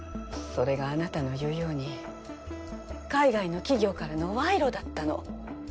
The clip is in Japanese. それがあなたの言うように海外の企業からの賄賂だったの。